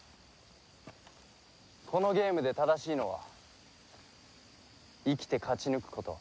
このゲームで正しいのは生きて勝ち抜くこと。